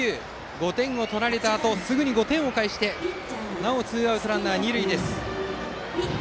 ５点を取られたあとすぐに５点を返してなおツーアウトランナー、二塁。